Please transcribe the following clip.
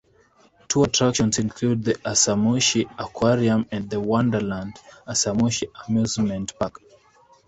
Two attractions include the Asamushi Aquarium and the Wonderland Asamushi amusement park.